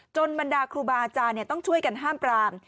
บรรดาครูบาอาจารย์ต้องช่วยกันห้ามปราม